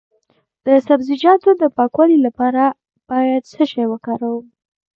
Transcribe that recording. د سبزیجاتو د پاکوالي لپاره باید څه شی وکاروم؟